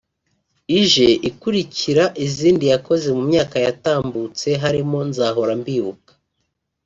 ije ikurikira izindi yakoze mu myaka yatambutse harimo ’Nzahora Mbibuka’